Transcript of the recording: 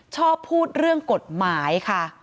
ชอบพูดเรื่องกฎหมายค่ะ